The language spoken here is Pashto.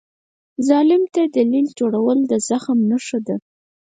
ظالم ته دلیل جوړول د زخم نښه ده.